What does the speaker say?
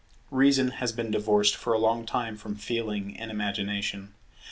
Reason has been divorced for a long time from Feeling and Imagination.